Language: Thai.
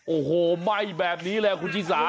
โอ้โหไหม้แบบนี้เลยคุณชิสา